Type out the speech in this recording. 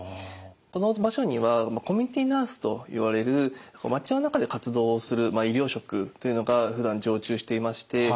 この場所にはコミュニティーナースと言われる町の中で活動する医療職というのがふだん常駐していまして。